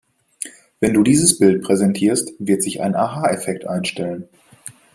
Wenn du dieses Bild präsentierst, wird sich ein Aha-Effekt einstellen.